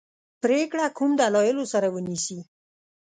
پرېکړه کوم دلایلو سره ونیسي.